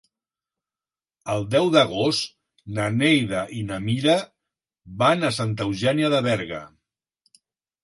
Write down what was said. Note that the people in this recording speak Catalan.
El deu d'agost na Neida i na Mira van a Santa Eugènia de Berga.